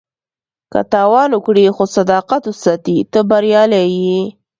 که تاوان وکړې خو صداقت وساتې، ته بریالی یې.